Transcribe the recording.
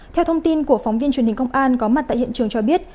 theo thông tin của phóng viên truyền hình công an có mặt tại hiện trường cho biết